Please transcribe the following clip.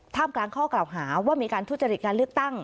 กลางข้อกล่าวหาว่ามีการทุจริตการเลือกตั้ง